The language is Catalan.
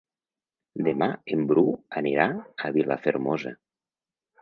Demà en Bru anirà a Vilafermosa.